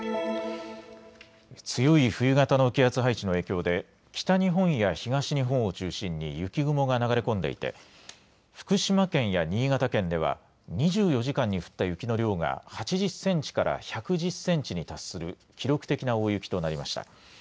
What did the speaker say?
強い冬型の気圧配置の影響で北日本や東日本を中心に雪雲が流れ込んでいて福島県や新潟県では２４時間に降った雪の量が８０センチから１１０センチに達する記録的な大雪となりました。